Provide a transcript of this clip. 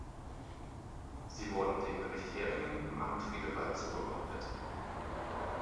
Sie wurden dem Gericht Heringen im Amt Friedewald zugeordnet.